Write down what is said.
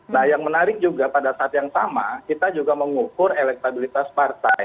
nah yang menarik juga pada saat yang sama kita juga mengukur elektabilitas partai